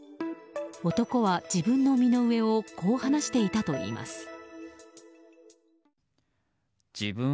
男は自分の身の上をこう話していたといいます。